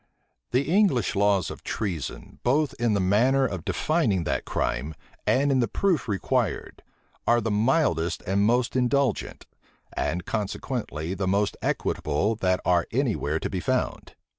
The English laws of treason, both in the manner of defining that crime, and in the proof required, are the mildest and most indulgent, and consequently the most equitable, that are any where to be found.